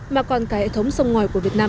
mà còn cả hệ thống sông ngoài của việt nam